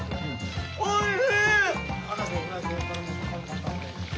おいしい！